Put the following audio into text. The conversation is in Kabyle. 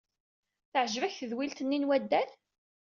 Teɛjeb-ak tedwilt-nni n waddal?